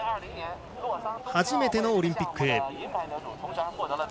初めてのオリンピック。